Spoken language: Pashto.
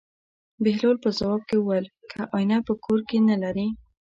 بهلول په ځواب کې وویل: که اېنه په کور کې نه لرې.